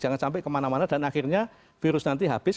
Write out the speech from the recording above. jangan sampai kemana mana dan akhirnya virus nanti habis